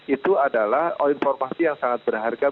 itu adalah informasi yang sangat berharga buat penumpang